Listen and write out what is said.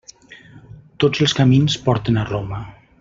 Tots els camins porten a Roma.